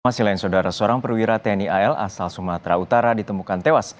masih lain saudara seorang perwira tni al asal sumatera utara ditemukan tewas